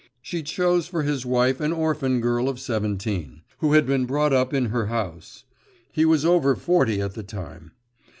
She chose for his wife an orphan girl of seventeen, who had been brought up in her house; he was over forty at the time.